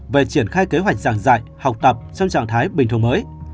về triển khai kế hoạch giảng dạy học tập trong trạng thái bình thường mới